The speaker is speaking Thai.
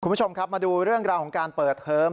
คุณผู้ชมครับมาดูเรื่องราวของการเปิดเทอม